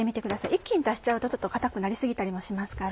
一気に足しちゃうと固くなり過ぎたりもしますから。